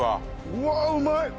うわうまい！